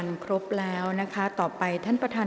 กรรมการท่านที่สองได้แก่กรรมการใหม่เลขหนึ่งค่ะ